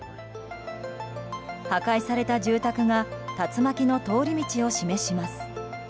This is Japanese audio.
破壊された住宅が竜巻の通り道を示します。